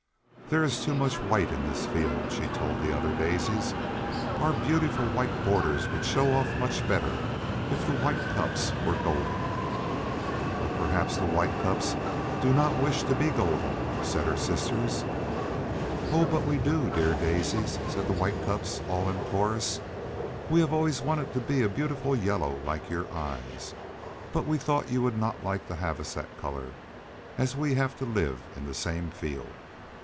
"There is too much white in this field," she told the other Daisies. "Our beautiful white borders would show off much better if the White Cups were golden." "But perhaps the White Cups do not wish to become golden," said her sisters. "Oh, but we do, dear Daisies," said the White Cups all in chorus; "we have always wanted to be a beautiful yellow like your eyes, but we thought you would not like to have us that color, as we have to live in the same field."